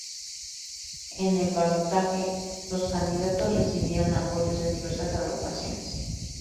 En el balotaje, los candidatos recibieron apoyos de diversas agrupaciones.